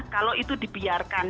kalau itu dibiarkan